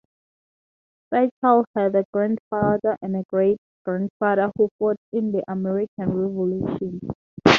Fairchild had a grandfather and a great grandfather who fought in the American Revolution.